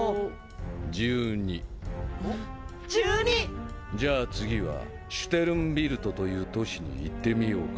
１２。っ！１２！じゃあ次はシュテルンビルトという都市に行ってみようか？